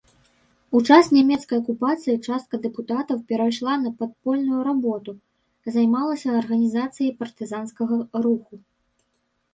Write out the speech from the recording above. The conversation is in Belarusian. У час нямецкай акупацыі частка дэпутатаў перайшла на падпольную работу, займалася арганізацыяй партызанскага руху.